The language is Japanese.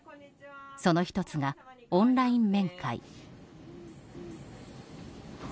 その１つが、オンライン面会。